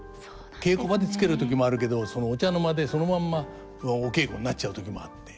稽古場でつける時もあるけどお茶の間でそのまんまお稽古になっちゃう時もあって。